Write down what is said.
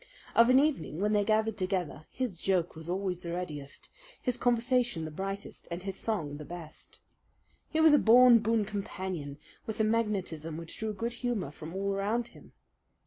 Of an evening when they gathered together his joke was always the readiest, his conversation the brightest, and his song the best. He was a born boon companion, with a magnetism which drew good humour from all around him.